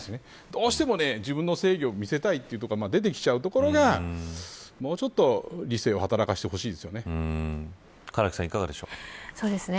どうしても自分の正義を見せたいというところが出てきたところがもうちょっと唐木さん、いかがでしょう。